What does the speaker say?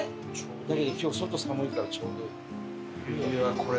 だけど今日外寒いからちょうどいい。